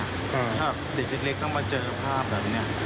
ถ้าแบบเด็กเล็กก็มาเจอภาพแบบนี้